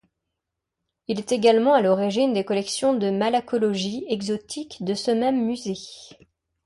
Il est également à l'origine des collections de malacologie exotique de ce même Musée.